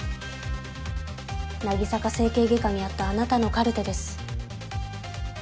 なぎさか整形外科にあったあなたのカルテです。